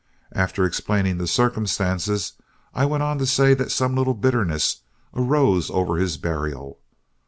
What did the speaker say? After explaining the circumstances, I went on to say that some little bitterness arose over his burial.